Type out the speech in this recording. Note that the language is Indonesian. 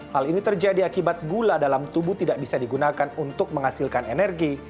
hal ini terjadi akibat gula dalam tubuh tidak bisa digunakan untuk menghasilkan energi